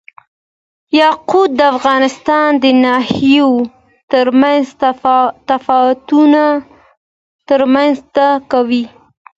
یاقوت د افغانستان د ناحیو ترمنځ تفاوتونه رامنځ ته کوي.